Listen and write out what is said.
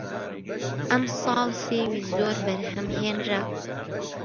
ئەمساڵ سێوی زۆر بەرهەم هێنرا